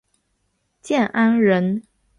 建安人。